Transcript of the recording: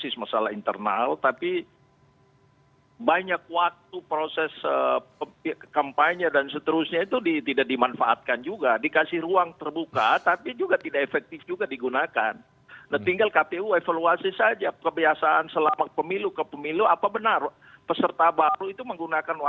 sehingga nuansa politiknya begitu panjang yang menyebabkan